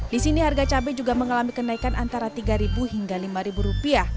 di sini harga cabai juga mengalami kenaikan antara rp tiga hingga rp lima